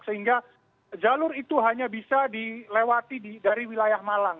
sehingga jalur itu hanya bisa dilewati dari wilayah malang